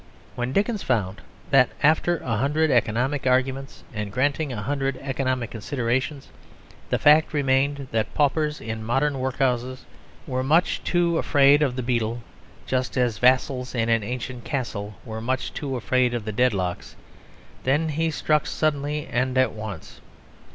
When Dickens found that after a hundred economic arguments and granting a hundred economic considerations, the fact remained that paupers in modern workhouses were much too afraid of the beadle, just as vassals in ancient castles were much too afraid of the Dedlocks, then he struck suddenly and at once.